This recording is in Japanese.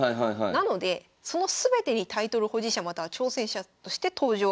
なのでその全てにタイトル保持者または挑戦者として登場。